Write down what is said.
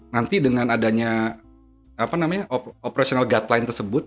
nanti dengan adanya operational guideline tersebut